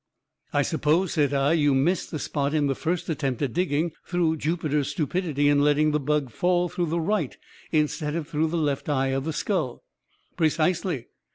"I suppose," said I, "you missed the spot, in the first attempt at digging, through Jupiter's stupidity in letting the bug fall through the right instead of through the left eye of the skull." "Precisely.